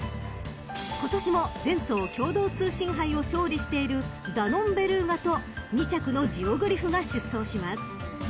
［今年も前走共同通信杯を勝利しているダノンベルーガと２着のジオグリフが出走します］